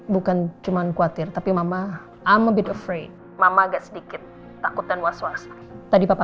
bukan cuman khawatir tapi mama amobit ofri mama agak sedikit takut dan was was tadi papa